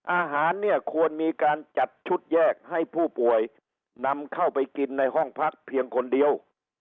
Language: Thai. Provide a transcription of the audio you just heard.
อาหารเนี่ยควรมีการจัดชุดแยกให้ผู้ป่วยนำเข้าไปกินในห้องพักเพียงคนเดียว